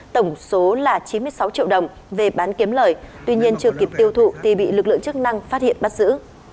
tổng số là chín mươi sáu triệu đồng về bán kiếm lời tuy nhiên chưa kịp tiêu thụ thì bị lực lượng chức năng phát hiện bắt giữ